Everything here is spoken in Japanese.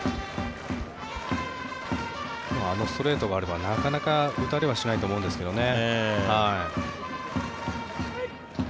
あのストレートがあればなかなか打たれはしないと思うんですけどね。